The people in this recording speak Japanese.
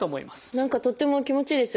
何かとっても気持ちいいですよ。